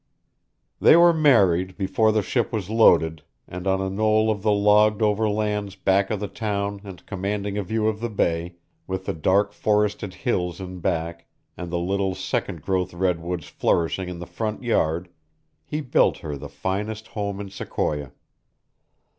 They were married before the ship was loaded, and on a knoll of the logged over lands back of the town and commanding a view of the bay, with the dark forested hills in back and the little second growth redwoods flourishing in the front yard, he built her the finest home in Sequoia.